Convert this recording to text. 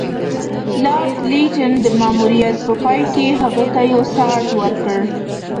لارډ لیټن د ماموریت په پای کې هغه ته یو ساعت ورکړ.